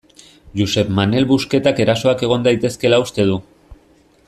Josep Manel Busquetak erasoak egon daitezkeela uste du.